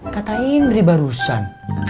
katain dari barusan